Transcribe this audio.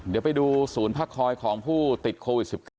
เดี๋ยวไปดูศูนย์พักคอยของผู้ติดโควิด๑๙